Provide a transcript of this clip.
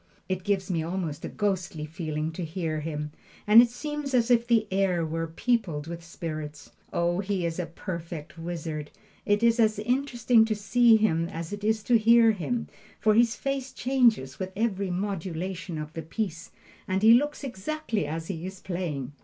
It gives me almost a ghostly feeling to hear him, and it seems as if the air were peopled with spirits. Oh, he is a perfect wizard! It is as interesting to see him as it is to hear him, for his face changes with every modulation of the piece, and he looks exactly as he is playing.